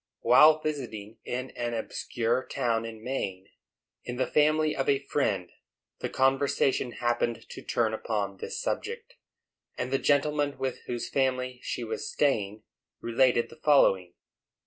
While visiting in an obscure town in Maine, in the family of a friend, the conversation happened to turn upon this subject, and the gentleman with whose family she was staying related the following.